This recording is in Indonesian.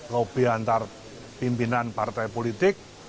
lobby antar pimpinan partai politik